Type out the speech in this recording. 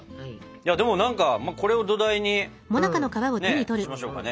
でも何かこれを土台にしましょうかね。